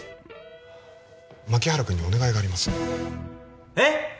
牧原君にお願いがありますえっ